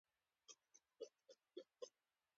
د سیلانیانو ورتګ له لارې دولت ته پانګه په لاس ورځي.